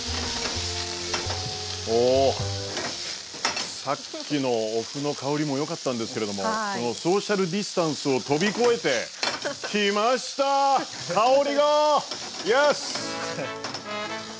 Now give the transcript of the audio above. おさっきのお麩の香りもよかったんですけれどもこのソーシャルディスタンスを飛び越えて来ました香りがイエス！